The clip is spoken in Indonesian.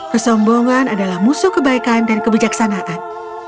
kesombongan adalah musuh kebaikan dan kebijaksanaan